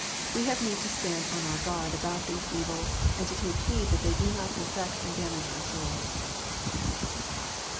We have need to stand on our guard about these evils, and to take heed that they do not infect and damage our souls.